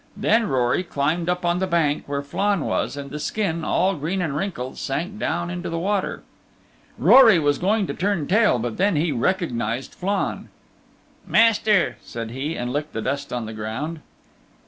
Then Rory climbed up on the bank where Flann was, and the skin, all green and wrinkled, sank down into the water. Rory was going to turn tail, but then he recognized Flann. "Master," said he, and he licked the dust on the ground.